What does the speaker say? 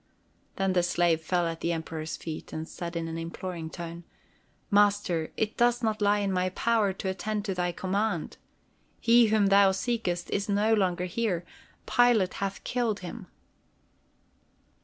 Then the slave fell at the Emperor's feet and said in an imploring tone: "Master, it does not lie in my power to attend to thy command. He whom thou seekest is no longer here. Pilate hath killed him."